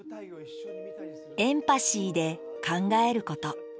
「エンパシー」で考えること。